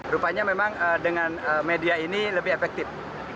rupanya memang dengan media ini lebih efektif